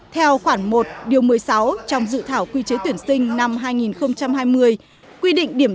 theo khoảng một một mươi sáu trong dự thảo quy chế tuyển sinh năm hai nghìn hai mươi